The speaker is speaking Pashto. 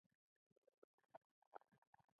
دغه شرکت زرګونه کسان استخدام کړل